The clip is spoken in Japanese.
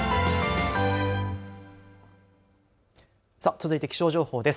続いて気象情報です。